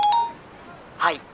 「はい。